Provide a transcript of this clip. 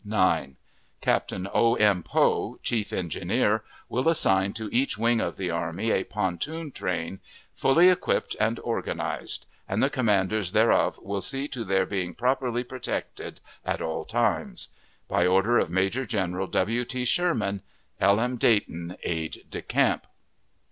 9. Captain O. M. Poe, chief engineer, will assign to each wing of the army a pontoon train, fully equipped and organized; and the commanders thereof will see to their being properly protected at all times. By order of Major General W. T. Sherman, L. M. DAYTON, Aide de Camp.